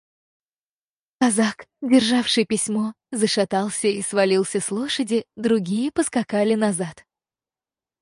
Казак, державший письмо, зашатался и свалился с лошади; другие поскакали назад.